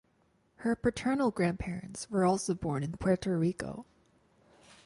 Her paternal grandparents were also born in Puerto Rico.